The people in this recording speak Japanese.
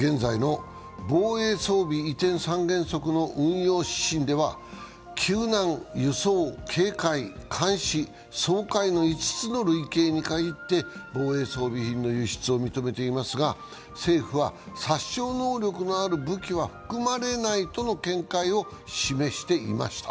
現在の防衛装備移転三原則の運用指針では、救難・輸送・警戒・監視・掃海の５つの類型に限って防衛装備品の輸出を認めていますが、政府は殺傷能力のある武器は含まれないとの見解を示していました。